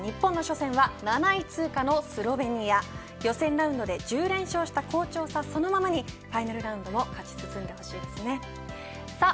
２位で予選通過した日本の初戦は７位通過のスロベニア予選ラウンドで１０連勝した好調さ、そのままにファイナルラウンドも勝ち進んでほしいですね。